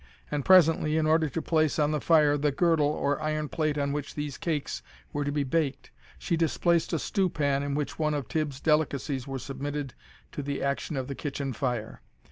And presently, in order to place on the fire the girdle, or iron plate on which these cates were to be baked, she displaced a stew pan in which one of Tibb's delicacies were submitted to the action of the kitchen fire.